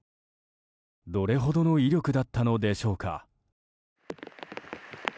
どれほどの威力だったのでしょうか。